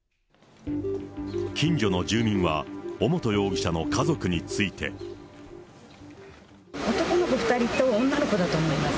近所の住民は、男の子２人と女の子だと思います。